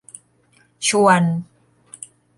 ชวน